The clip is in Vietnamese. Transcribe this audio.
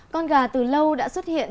con gà từ lâu đã xuất hiện